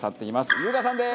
優香さんです！